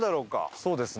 そうですね。